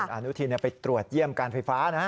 อนุทินไปตรวจเยี่ยมการไฟฟ้านะฮะ